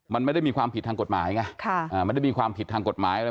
มันไม่ได้มีความผิดทางกฎหมายไงไม่ได้มีความผิดทางกฎหมายอะไร